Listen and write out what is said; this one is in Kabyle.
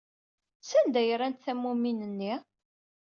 Sanda ay rrant tammumin-nni?